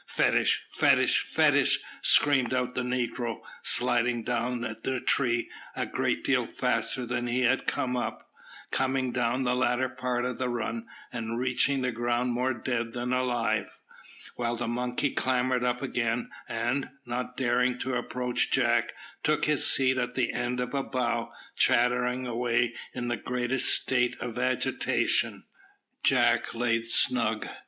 "Fetish! fetish! fetish!" screamed out the negro, sliding down the tree a great deal faster than he had come up, coming down the latter part by the run, and reaching the ground more dead than alive; while the monkey clambered up again, and, not daring to approach Jack, took his seat at the end of a bough, chattering away in the greatest state of agitation. Jack lay snug.